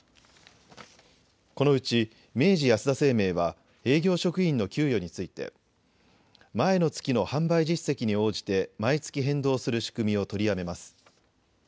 このうち明治安田生命は営業職員の給与について前の月の販売実績に応じて毎月変動する仕組みを取りやめます。